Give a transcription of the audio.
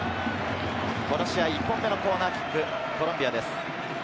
この試合１本目のコーナーキック、コロンビアです。